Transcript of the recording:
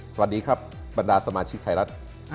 สวัสดีครับบรรดาสมาชิกไทยรัฐ